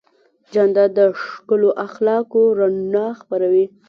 جانداد د ښکلو اخلاقو رڼا خپروي.